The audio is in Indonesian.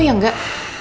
oh iya enggak